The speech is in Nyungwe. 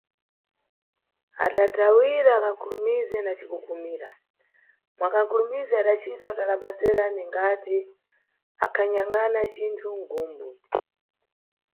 Adatawira kankakulumize na cikukumira, mwa kankulumize adacita utalapasera ningti akhanyangʼna cinthu mʼgumbu.